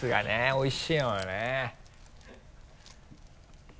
おいしいのよね。